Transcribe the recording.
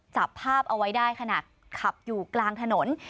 จับภาพเอาไว้ได้ขณะขับอยู่กลางถนน